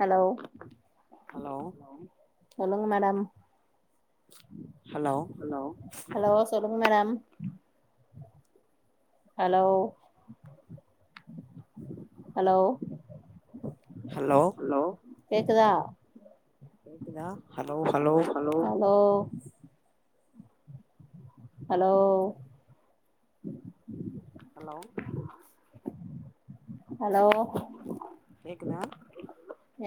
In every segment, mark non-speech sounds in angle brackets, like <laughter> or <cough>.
Hello hello சொல்லுங்க madam <inaudible> hello hello சொல்லுங்க madam hello hello hello கேக்குதா கேக்குதா ஆ hello hello hello hello hello கேக்குதா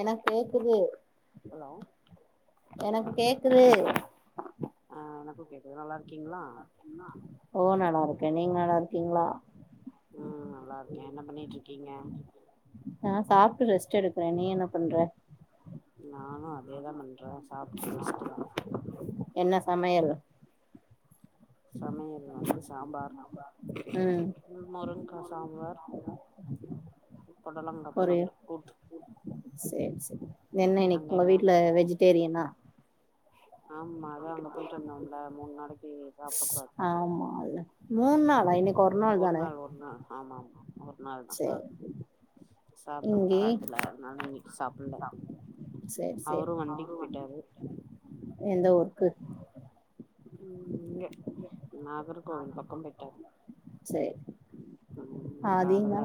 எனக்கு கேக்குது ஹலோ எனக்கு கேக்குது எனக்கும் கேக்குது நல்ல கிகளா ஓ நல்லா இருக்கே நீங்க நல்லா இருக்கீங்களா உம் நல்லா இருக்கேன் என்ன பண்ணிட்டு இருக்கீங்க ஆஹ் சாப்பிட்டு ரெஸ்ட் எடுக்கறேன் நீ என்ன பண்ற நானா அதேதான் பண்றேன் சாப்பிட்டு பெஸ்ட்ட் தான் என்ன சமையல் சமையல் வந்து சாம்பார் ம் முருங்கா சாம்பார் பொடலங்காய பொறயல் கூட்டு செரி செரி என்ன இன்னக்கி அங்க உங்க என்ன வீட்ல வெஜிடேரியனா ஆமா அத அங்க போயிட்டு வந்தோம்ல மூணு நாளைக்கு சாப்ட கூடாது ஆமால்ல மூணாளா இனிக்குறநாள் ஒரு தானே நாள் ஒரு நாள் ஆமா ஆமா சரி சாப்பிட காட்டல அதனாலும் இன்னைக்கு சாப்பிடல சேரி சேரி அவரும் வண்டிக்கு போயிட்டாரு எந்த ஊருக்கு உ இங்க நாகர் கோவில் பக்கம் போயிட்டாரு சேரி உம் கால அதேதா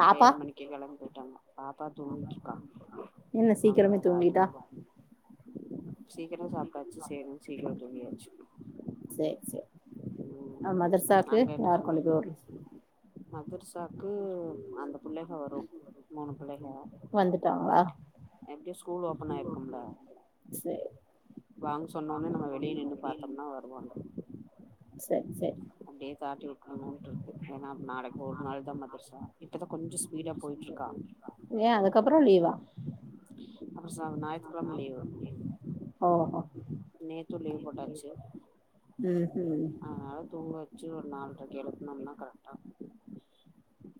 பாப்பா ஏழு மணிக்கு கேலம்பும்போது பாப்பா தூங்கிட்டுற்றுகா என்ன அங்க சீக்கிரமே தூங்கிட்டா ராஜமங்க சீக்கிரமா சாப்பிட்டாச்சுசேரி சே சீக்கிரம் தூங்கியாச்சு செரி செரி அங்க என்னம் போய் விட்றது மதுர்சாக்கு அந்த பிள்ளைக வரும் மூணு பிள்ளைக வந்துட்டாங்களா எப்படியு ஸ்கூல் ஓப்பன் ஆயிருக்கும்ல சேரி வாங்க சொன்னோனே நம்ம வெளியே நின்று பாாத்தோம்னா வருவாங்க செரி செரி அப்டியே தாட்டி விட்டுணும் இருக்கு ஏன்னா நாளைக்கு ஒரு நாள் தான் மதிரச்சா இப்பதான் கொஞ்சம் ஸ்பீடா போயிட்டு இருக்கா அப்றோ ச ஞாயித்துக்கெழம ஓஓ நேது லீவு போட்டாச்சு ம் ம் அதனால தூங்க வச்சு ஒரு நாலரைக்கு எழுப்பனும்னா கெல ஆஹ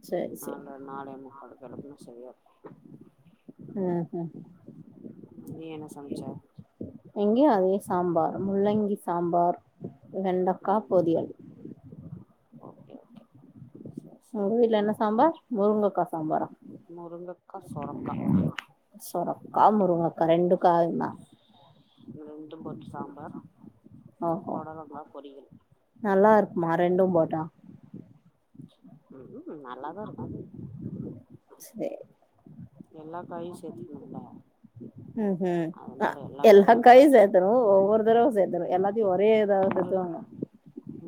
சேரி சேரி நால்ற நாலே முக்காலுக்கு எழுப்புனா சரியா இருக்கு உஹம் இருக்கு நீ என்ன சமச்ச உஹம் இங்கயோயு அதே சாம்பார் முள்ளங்கி சாம்பார் வெண்டக்கா ம் பொதியல் ஓகே ஓகே சரி உங்க சரி வீட்டுல என்ன சாம்பார் முருங்கக்கா சாம்பாரா முருங்கக்கா சொரக்கா சொரக்கா முருங்கக்கா ரெண்டு காயுமா ரெண்டும் போட்டு சாம்பார் ஓஹோ பொடலங்கா பொரியல் ரெண்டும் போட்டா உம்ம் நல்லாதான் இருக்கும் சரி எல்லா காயும் சேத்துக்குணும்ல ஹம் ஹம் எல்லா காயு காாயையும் போட்டாச்சு சேர்த்தரும் ஒவ்வொரு தடவை சேர்த்தரும் எல்லாத்தையும் ஒரே இதாவது சேத்துவாங்க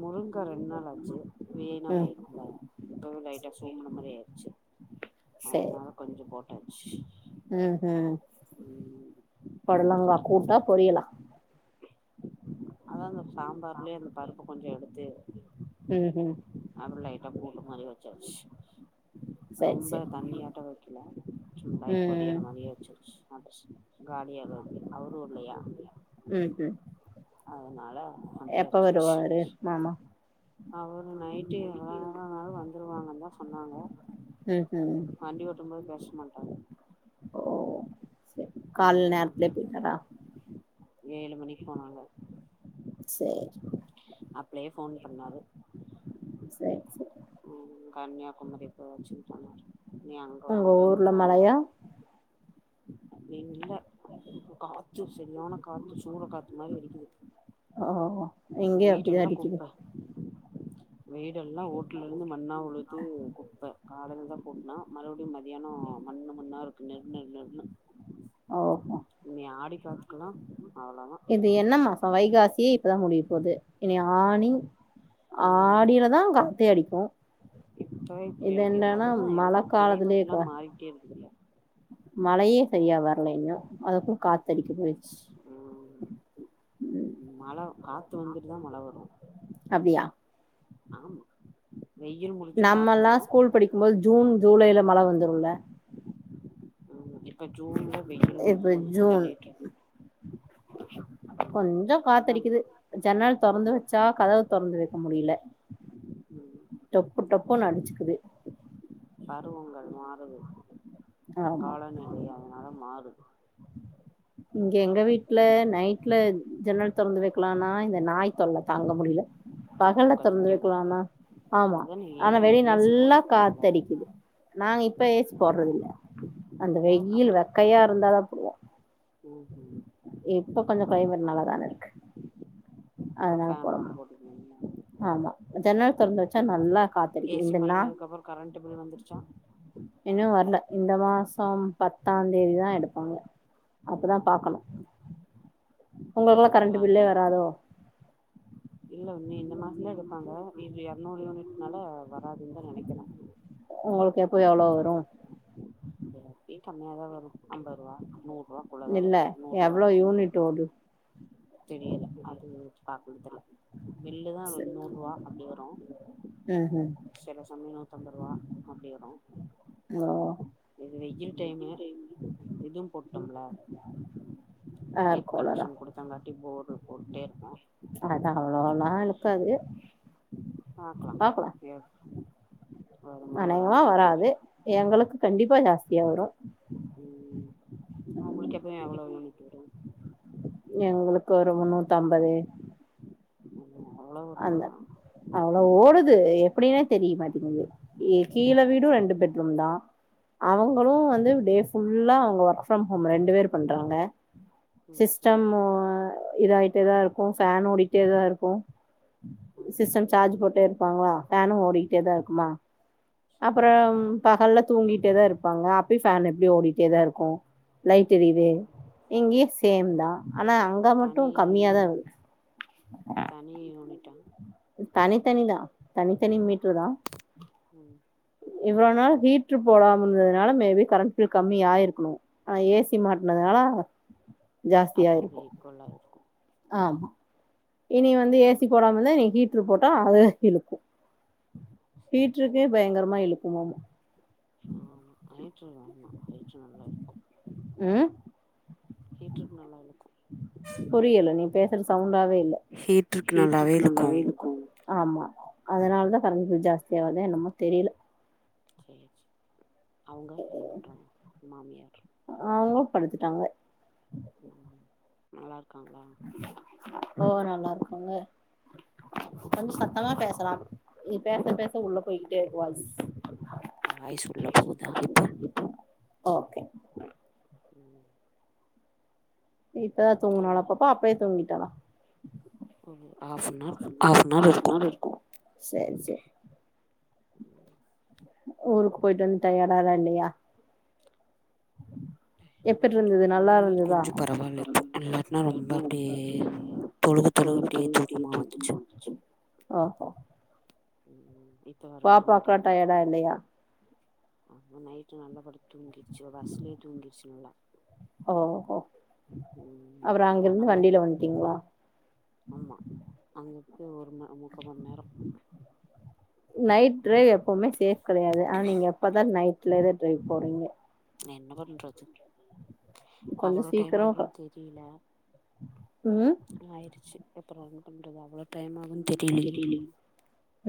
முருங்காய் ரெண்டு நாள் ஆச்சு ம். வீணாபோயிரும்ல இப்பவே லைட்டா சும்புன மாரி ஆயிருச்சு அதனால கொஞ்சம் போட் சுயி ம் ஹிம் பொடலங்கா கூட்டா பொரியால அதா இந்த சாம்பார்லயே அந்த பருப்பு கொஞ்ஜோ எடுத்து ம்ஹ்ம். அப்டி லைட்டா கூட் மாரி வெச்சாச் சரி, ரொம்ப சரி. தண்ணியாட்டோ வெக்கல சும்மா ம். பொரியல் மாரியே வெச்சாச்சு <unintelligible> காலியாகது அவரு இல்லையா ம்ஹ்ம். அதனால அப்டியே எப்ப வெச்சாச்சு வருவாரு மாமா? அவரு நைட்டு எவ்ளோ நேரோ ஆனாலு வந்துருவாங்க தா சொன்னாங்க ம்ஹ்ம். வண்டி ஓட்டும் போது பேசமாட்டாரா ஓ செரி கால்ல நேரத்துல போயிட்டாரா ஏலு மணிக்கு போனாங்க சரி, அப்லயே போன் பண்ணாரு செரி செரி கன்னியாகுமரி போ வச் நீ அங்க உங்க அங்கன்னு ஊர்ல போனோ மழையா? ஏ இல்ல காத்து செரியான காத்து சூற காத்து மாரி அடிக்குது ஓ! உ இங்கேயும் அப்படிதான் வீடெல்லா அடிக்குது. குப்ப வீட் எல்லா ஓட்ல இருந்து மண்ணா உலுது குப்ப கால்ல தா கூட்ன மறுபடியு மதியானோ மண்ணு மண்ணா இருக் <inaudible> ஓஹோ காத்துக்கெல்லா அவ்ளோதா இது என்ன மாசோ வைகாசியே இப்பதா முடிய போது இனி ஆணி ம் ஆடியில தா காத்தே அடிக்கு ஆ இப்பவே இப்டி அடிக்குது அது தா மழ எல்லா க்ளைமேட்ல்லா மாறிட்டே இருக்குதுல்ல மலையே செரிய வ <unintelligible> அதுக்கு காத்தடிக்குது உம் மல காத்து வந்துட்டு தா மல வரு ஆமா வெயில் முடிஞ்சு காத்து வரு நம்மயெல்லாம் ஸ்கூல் படிக்கும்போது ஜூன் ஜூலைல மழ வந்துருல <unintelligible> இப்ப ஜூன்ல வெயில் இப்ப கொளுத்தி ஜூன் தள்ளிட்டு இருக் கொஞ்சோ காத்தடிக்குது ஜன்னல் தொறந்து அந்த வச்சா கதவு தொறந்து வைக்க முடியல ம் டொப்பு டொப் ஃபோன் அடிச்சுக்குது பருவங்கள் மாறுது ஆமா காலநிலை அதனால மாறுது இங்க எங்க வீட்ல ம் நைட்ல ஜன்னல் தொறந்து வைக்கலான்னா இந்த நாய் தொல்ல தாங்க முடியல அது பகல்ல தெறந்து கத்திட்டே வக்கலாம்னா ஆமா அதானே ஏ ஆனா வெளில ஏசி நல்லா போட்ருக்கீங்களா காத்தடிக்குது நாங்க இப்ப ஏசி போடுறது இல்ல அந்த ஏ வெயில் அப்புறோ வெக்கையா இருந்தாதான் புடுவோ ம் ம் இப்ப கொஞ்சம் கிளைமெட் நல்லா தானே இருக்கு அப்ப அதனால ஃபேன போடமா மட்டு போட்டுக்குவீங்களா ஆமா ஜன்னல் தொறந்து வச்சா ம் நல்லா காத்தடிக்கு ஏசி இந்த நா மாட்னதுக்கப்புறோ கரண்ட்டு பில் வந்துருச்சா இன்னு வர்ல இந்த மாசம் பத் பத்தாம் தேதிதான் எடுப்பாங்க அப்பதான் பாக்கணும் எங்கையாமே இல்ல இந்த மாசம்தான் எடுப்பாங்க இரநூறு யூனிட் நல்லா வராதுன்னுதா நெனைக்கிறே உம் எப்பையும் கம்மியாதான் வரும் ஐம்பது ரூபா இல்ல எவ்ளோ யூனிட் ஓடு பாப்புன்னு தெரியல பில்லுதான் நூறு ரூபா அப்டி வரும் ம் ம் சில சமயம் நூத்தம்பது ரூவா அப்படி வரும் ஓ இது வெயில் டைமு இதுவும் போட்டோம்ல பைப் கனெக்ஷன் கொடுத்தாங்காட்டி போட் அதான் அவ்வளோலா இல்ல இருக்காது பாக்கலாம் சரியா வருமா அநேகமா வராதான்னு வராது தெரியும் எங்களுக்கு கண்டிப்பா ஜாஸ்தியா வரு உம் உங்களுக்கு எப்பயும் எவ்வளவு யூனிட் வரும் எங்களுக்கு ஒரு முன்னூத்தம்பது <unintelligible> வருமா அந்த அவ்வளவு ஓடுது எப்படின்னா தெரிய மாட்டேங்குது கீல வீடும் ரெண்டு பெட்ரூம் தான் ம் அவங்களும் வந்து டே ஃபுல்லா அவங்க ஒர்க் ஃப்ரம் ஹோம் ரெண்டு பேர் பண்றாங்க ம் ம் சிஸ்டம் இதாயிட்டேதான் இருக்கும் ஃபேன் ஓடிட்டேதான் இருக்கும் ம் ம் சிஸ்டம் சார்ஜ் போட்டே இருப்பாங்களா பேனும் ஓடிக்கிட்டே தான் இருக்குமா சேரி அப்புறம் சேரி பகல்லல தூங்கிட்டு தான் இருப்பாங்கப்பி பேன் எப்படி ஓடிட்டேதான் இருக்கும் லைட் எரிது ம் இங்கேயும் சேம் தான் ஆனா அங்க தனி மட்டும் கம்மியாதான் தனி யுனிட்டான் தனித்தனிதான் தனித்தனி மீடரு தான் உம் இவ்வளவு நால ஹீடரு போடாமனதுனால மேபி கரண்ட் கம்மிய ஆயிருக்கணும் ஆனா ஏசி மாட்டனதுனால அதோட இக்வள்ளாயிறுக்கும் ஆமா இனி வந்து ஏசி போடாமதான் நீ ஹு விட்டுட்டு போட்டா அது இழுக்கும் சேரி வீட்டுருக்கே பயங்கரமா இருழுக்கும் உமம் ஆ ஆமா ஹியிற்று ஆமா ஹியிற்று நல்லா இழுக்கும் ம் புரியல நீ பேசுற சவுண்டாவே இல் ஹீட்ருக்கு நல்லாவே இழுக்கும் ஆமா அதனால தான் கரண்ட் ம் பில் ஜாஸ்திய வருதோ என்னமோ தெரியல சேரி சேரி அவங்க என்ன பண்றாங்க மாமியார் நாங்களும் படுத்துட்டாங்க உ நலா இருக்காங்களா போ நல்லா இருக்காங்க ம் கொஞ்சம் சத்தமா பேசலாம் பேச பேச உள்ள போயிட்டே இருக்கு வாய்ஸ் வாய் சொல்ல போதான் இப்போ ஓகே உம் இப்பதான் தூங்கினாலா பாப்பா அப்பே தூங்கி ‌ டா ஒரு ஹாஃப்னர் ஹா ஃப்ன்ஹவர் இருக்கும் சேரி சேரி ஊருக்கு போயிட்டு டயடாவே இல்லையா எப்டி நைட்டு இருந்தது நல்லா தூங்கி இருந்ததா கொஞ்சம் பரவாயில்ல இப்போ இல்லாட்டனா ரொம்ப அப்படியே தொழுகு தொழுகு அப்படியே தூக்கமா வந்துச்சு <inaudible> ம்ம் பா பாக்க டயடா இல்லயா ஆ நைட்டு் நல்ல படுத்த தூங்கிச்சு பஸ்ஸலே தூங்கிச்சுல்லா ஓ ஓ ம் அப்பறம் ஆ அங்கிருந்து நம்ம வண்டியில வந்துட்டீங்களா ந்து ஒரு நா நா முக்காமநேரம் நைட் -ட்ரைவ் எப்வுமே சேஃப் கெடையாது ஆனா நீங்க எப்போதான் நைட் லேட ட்ரை போறீங்க நா என்னபா பண்றது கொஞ்சோ அவ்வளோ டைம் சீக்கிரோ ஆகும்னு தெரியல ம் ஆயிருச்சு அப்புறம் என்ன பண்றது அவ்வளோ டைம் ஆகு தெரிலயே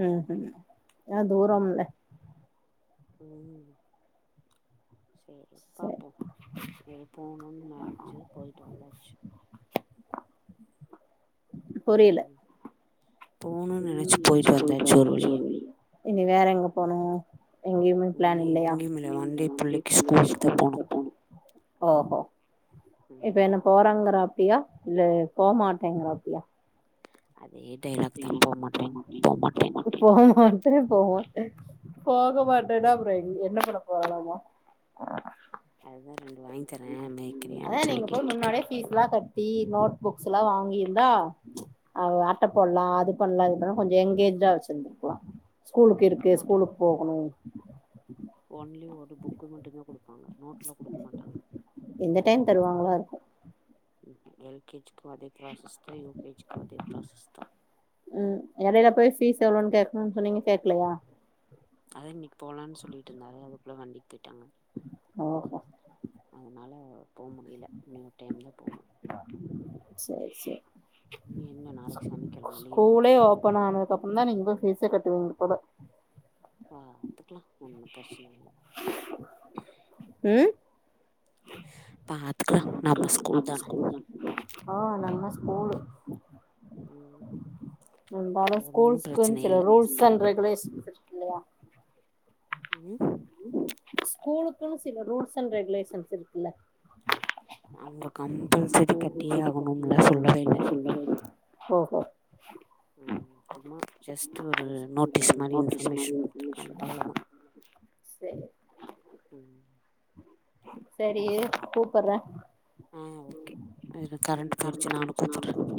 உம் ம் ஏ தூரம்ல <inaudible> சரி சரி பார்ப்போம் எது போகணும்ன்னனு நினச்சி போயிட்டு வந்தாச்சு <inaudible> போகணும்னு நினைச்சு போயிட்டு வந்தாச்சி ஒரு வழியா இங்க வேற எங்க போனு எங்கேயுமே பிளான் இனி இல்லயா எங்கேயுமில்ல இல்லங்க மண்டே வந்து புள்ளைக்கு ஸ்கூலுக்கு தா ஸ்கூல் போனு போனோம் ஓஹோ இப்ப ம் என்ன போறாங்கறா அப்பியா இல்ல போமாட்டேங்கள அப்பியா அதே டைலாக் அதே தா போமாட்டேன் போமாட்டேன் டயலாக் போமாட்டேன் போமாட்டேன் போ மாட்டேன் போ மாட்டேன் போக மாட்டேன்னா அப்புறம் என்ன பண்ண போராளமா அதுதான் ரெண்டு வாங்கி தரேன் மேகிறியான்னு சொல்லி கேட்ருக்கேன் ட்டி நோட் புக்ஸ் எல்லாம் வாங்கிருந்தா அவ அட்ட போடலாம் அது பண்ணலாம் இது பண்ணலாம் கொஞ்சம் எனங்கேஜா வச்சிருந்திருக்கலாம் ஸ்கூலுக்கு இருக்கு குடுக்க மாட்டாங்க ஸ்கூலுக்கு போகணும் <inaudible> ஒன்லி ஒரு புக்கு மட்டும் தான் கொடுப் எந்த டைம் தருவாங்களோ இருக்கும் ம் எல் கேஜி அதே பிரசஸ்தா யூ கே ஜி க்கும் அதே பிரசஸ்தா எடையில போய் ஃபீஸ் எவ்ளோன்னு ம் சொன்னீங்க கேக்கலையா அதா இன்னைக்கு போலான்னு சொல்லிட்டு <unintelligible> வண்டிக்கு போயிட்டாங்க ஓஹோ போவ முடியல இன்னொரு டைம்ல போகணும் செரி செரி என்ன நாளைக்கு சனிக்கிழம லீவு ஸ்கூலே ஓப்பன் ஆனதுக்கப்ப வந்தா நீங்க போ பீஸா கட்டுவீங்க போல பாத்துக்கலாம் ஒன்னும் பிரச்சனை இல்லை உம் பாத் க்குல நம்ம ஸ்கூல் தானே ஆஹ் நம்ம ஸ்கூலு ம் வர ஒன்னு பிரச்சன ஸ்கூல்ஸ்குன்னு இல்ல ரூல்ஸ் அண்ட் ரெகுலேஷன் இல்லையா உம் ஸ்கூலுக்குன்னு சில ரூல்ஸ் அண் ரெகுலேஷன்ஸ் இருக்குல்ல அவங்க கம்பல்சரி கட்டியே ஆவணும்னு சொல்லவே இல்லை ஓஹோ உம் சும்மா ஜஸ்ட்டு ஒரு நோட்டீஸ் மாதிரி இன்ஃபர்மேஷன் குடுத்துருக்காங்க அவ்வளோதான் சேரி செரி இரு கூப்புறேன் ஆஹ் ஓகே இரு கரண்ட் போயிடுச்சு நான கூப்பிடுறேன்